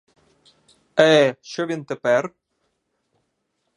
Е, що він тепер!